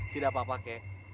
tidak apa apa kakek